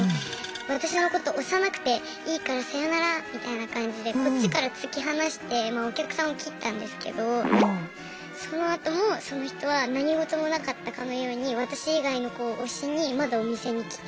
私のこと推さなくていいからさよならみたいな感じでこっちから突き放してお客さんを切ったんですけどそのあともその人は何事もなかったかのように私以外の子を推しにまだお店に来て。